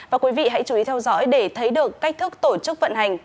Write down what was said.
và quý vị hãy chú ý theo dõi để thấy được cách thức tổ chức vận hành